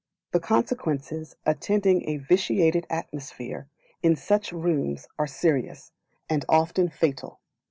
The Consequences attending a vitiated atmosphere in such rooms are serious, and often fatal.